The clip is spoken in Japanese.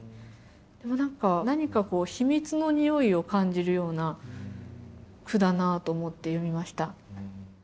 でも何か何か秘密のにおいを感じるような句だなと思って読みました。